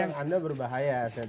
karena anda berbahaya